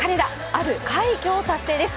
ある快挙を達成です。